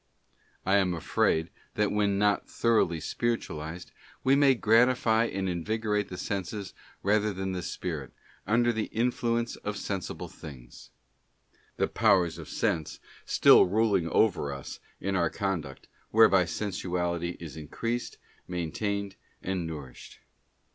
I am afraid, that when not thoroughly spiritualised, we may gratify and invigorate the senses rather than the spirit, under the influence of sensible things; the powers of sense still ruling over us in our conduct, whereby sensuality is increased, maintained, and nourished.